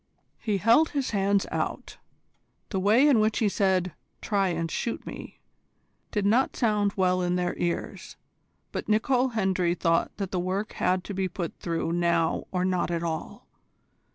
He held his hands out. The way in which he said "try and shoot me" did not sound well in their ears, but Nicol Hendry thought that the work had to be put through now or not at all.